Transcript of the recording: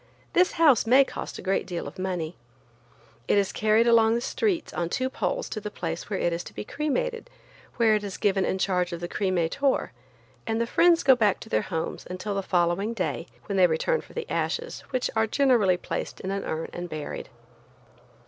This house may cost a great deal of money. It is carried along the streets on two poles to the place where it is to be cremated where it is given in charge of the cremator, and the friends go back to their homes until the following day, when they return for the ashes, which are generally placed in an urn and buried.